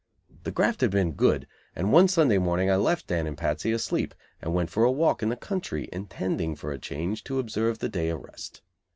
The graft had been good, and one Sunday morning I left Dan and Patsy asleep, and went for a walk in the country, intending, for a change, to observe the day of rest.